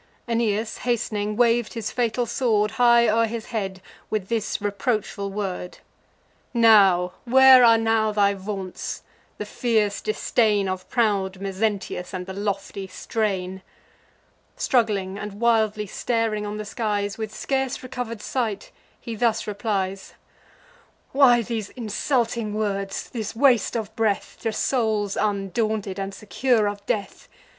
Aeneas, hast'ning, wav'd his fatal sword High o'er his head, with this reproachful word: "Now; where are now thy vaunts, the fierce disdain Of proud Mezentius, and the lofty strain?" Struggling, and wildly staring on the skies, With scarce recover'd sight he thus replies: "Why these insulting words, this waste of breath, To souls undaunted, and secure of death?